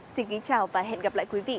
xin kính chào và hẹn gặp lại quý vị